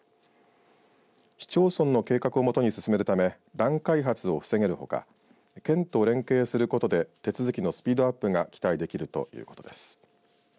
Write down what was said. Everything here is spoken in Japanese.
市町村の計画をもとに進めるため乱開発を防げるほか県と連携することで手続きのスピードアップが期待できるということです。